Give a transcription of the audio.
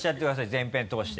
全編通して。